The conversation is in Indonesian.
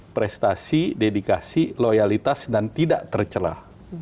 prestasi dedikasi loyalitas dan tidak tercelah